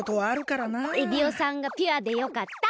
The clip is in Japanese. エビオさんがピュアでよかった。